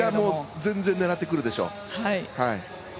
全然狙ってくるでしょう。